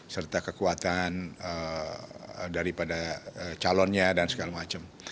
serta kekuatan daripada calonnya dan segala macam